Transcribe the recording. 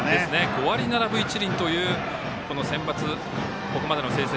５割７分１厘というセンバツ、ここまでの成績。